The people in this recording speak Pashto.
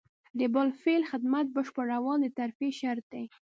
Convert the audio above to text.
د بالفعل خدمت بشپړول د ترفیع شرط دی.